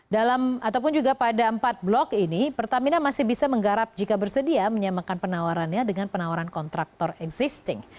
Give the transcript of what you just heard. dalam ataupun juga pada empat blok ini pertamina masih bisa menggarap jika bersedia menyamakan penawarannya dengan penawaran kontraktor existing